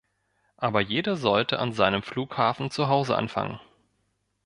Aber jeder sollte an seinem Flughafen zu Hause anfangen.